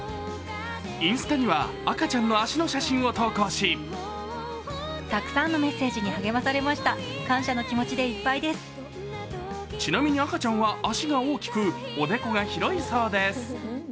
インスタには赤ちゃんの足の写真を投稿しちなみに赤ちゃんは足が大きくおでこが広いそうです。